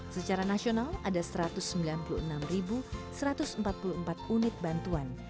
secara nasional ada satu ratus sembilan puluh enam satu ratus empat puluh empat unit bantuan